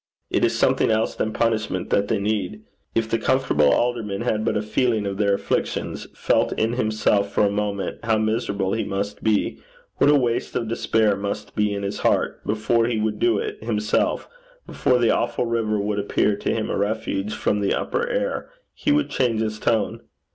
It is something else than punishment that they need. If the comfortable alderman had but "a feeling of their afflictions," felt in himself for a moment how miserable he must be, what a waste of despair must be in his heart, before he would do it himself, before the awful river would appear to him a refuge from the upper air, he would change his tone.